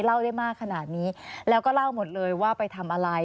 เล่าได้มากขนาดนี้แล้วก็เล่าหมดเลยว่าไปทำอะไร